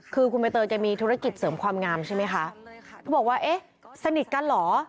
คือคุณใบเตยแกมีธุรกิจเสริมความงามใช่ไหมคะเขาบอกว่าเอ๊ะสนิทกันเหรอ